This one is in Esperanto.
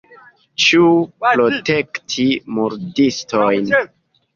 Ĉu protekti murdistojn?